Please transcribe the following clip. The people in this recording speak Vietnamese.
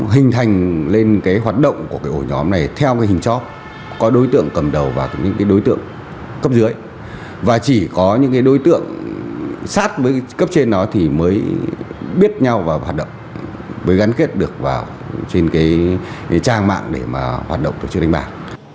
hình thành lên cái hoạt động của cái ổ nhóm này theo cái hình chóp có đối tượng cầm đầu và những cái đối tượng cấp dưới và chỉ có những cái đối tượng sát với cấp trên nó thì mới biết nhau và hoạt động với gắn kết được vào trên cái hình chóp